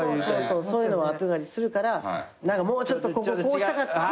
そういうのがあったりするからもうちょっとこここうしたかった。